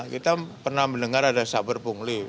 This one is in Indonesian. kita pernah mendengar ada saber pungli